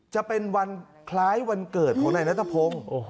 จะเป็นวันคล้ายวันเกิดของนายนัทพงศ์